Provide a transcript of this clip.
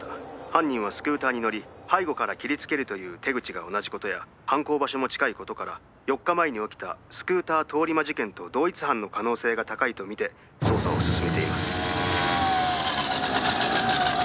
「犯人はスクーターに乗り背後から切りつけるという手口が同じ事や犯行場所も近い事から４日前に起きたスクーター通り魔事件と同一犯の可能性が高いとみて捜査を進めています」